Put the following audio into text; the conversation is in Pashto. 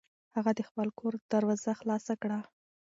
هغه د خپل کور دروازه خلاصه کړه.